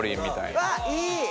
わっいい！